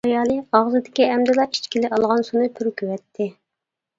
ئايالى ئاغزىدىكى ئەمدىلا ئىچكىلى ئالغان سۇنى پۈركۈۋەتتى.